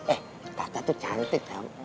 eh tata tuh cantik tau